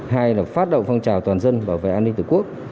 hai là phát động phong trào toàn dân bảo vệ an ninh tổ quốc